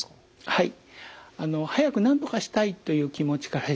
はい。